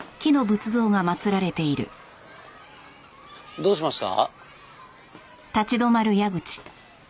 どうしました？